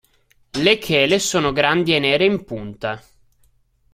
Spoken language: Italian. Le chele sono grandi e nere in punta.